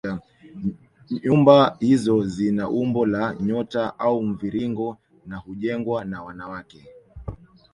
Nyumba hizo zina umbo la nyota au mviringo na hujengwa na wanawake